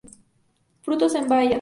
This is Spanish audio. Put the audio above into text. Frutos en bayas.